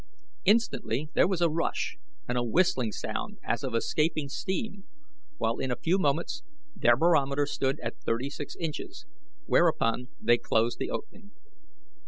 Instantly there was a rush and a whistling sound as of escaping steam, while in a few moments their barometer stood at thirty six inches, whereupon they closed the opening.